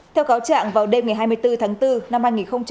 theo cáo trạng vào đêm ngày hai mươi bốn tháng bốn năm hai nghìn một mươi chín